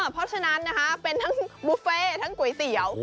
เพราะฉะนั้นนะคะเป็นทั้งบุฟเฟ่ทั้งก๋วยเตี๋ยว